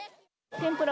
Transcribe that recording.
天ぷら？